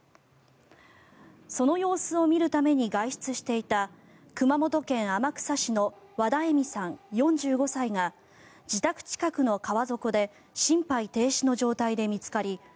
その様子を見るために外出していた熊本県天草市の和田恵海さん、４５歳が自宅近くの川底で心肺停止の状態で見つかり